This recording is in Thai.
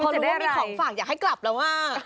พอรู้ว่ามีของฝากอยากให้กลับแล้วว่า